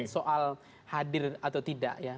soal hadir atau tidak ya